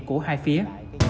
của hai phía